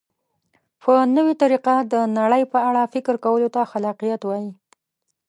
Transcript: په نوې طریقه د نړۍ په اړه فکر کولو ته خلاقیت وایي.